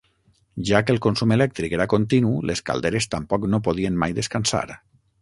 Ja que el consum elèctric era continu, les calderes tampoc no podien mai descansar.